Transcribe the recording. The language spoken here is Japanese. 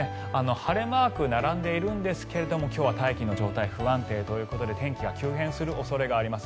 晴れマークが並んでいますが今日は大気の状態不安定ということで天気が急変する恐れがあります。